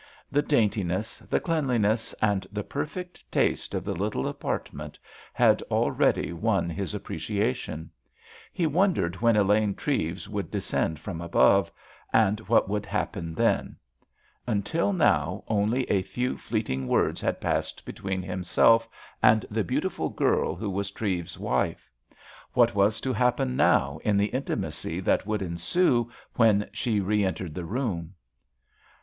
The daintiness, the cleanliness, and the perfect taste of the little apartment had already won his appreciation. He wondered when Elaine Treves would descend from above, and what would happen then. Until now only a few fleeting words had passed between himself and the beautiful girl who was Treves's wife. What was to happen now in the intimacy that would ensue when she re entered the room?